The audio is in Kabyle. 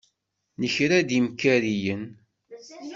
Nekra-d imkariyen.